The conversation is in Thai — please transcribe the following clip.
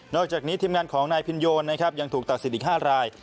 อกจากนี้ทีมงานของนายพินโยนนะครับยังถูกตัดสิทธิ์อีก๕ราย